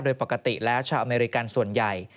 โดยปกติแล้วชาวอเมริกันส่วนใหญ่